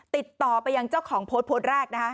ติดต่อไปยังเจ้าของโพสต์โพสต์แรกนะคะ